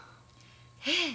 ええ。